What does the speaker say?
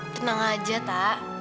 tenang aja ta